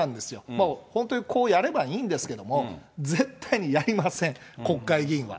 もう本当にこれやればいいんですけど、絶対にやりません、国会議員が。